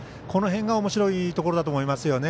この辺がおもしろいところだと思います。